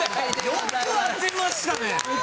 よく当てましたね。